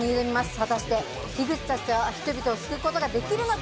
果たして樋口たちは人々を救うことができるのか？